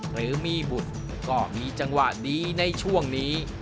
หรือมีบุตรก็มีจังหวะดีในช่วงนี้